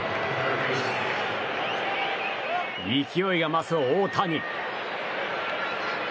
勢いが増す大谷。